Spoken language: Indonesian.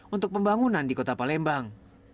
untuk pembangunan di kota palembang